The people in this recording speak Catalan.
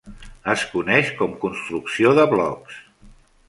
Es coneix com "construcció de blocs".